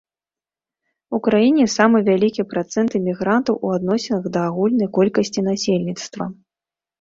У краіне самы вялікі працэнт эмігрантаў у адносінах да агульнай колькасці насельніцтва.